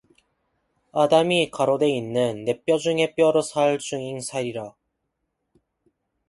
아담이 가로되 이는 내 뼈 중의 뼈요 살 중의 살이라